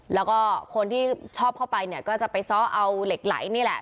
แล้วก็คนที่ชอบเข้าไปเนี่ยก็จะไปซ้อเอาเหล็กไหลนี่แหละ